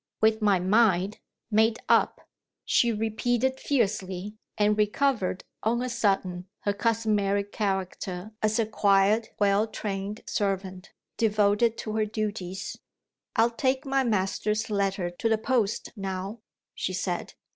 With my mind, made up!" she repeated fiercely and recovered on a sudden her customary character as a quiet well trained servant, devoted to her duties. "I'll take my master's letter to the post now," she said.